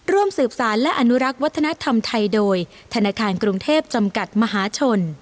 ร่วมสืบสารและอนุรักษ์วัฒนธรรมไทยโดยธนาคารกรุงเทพจำกัดมหาชน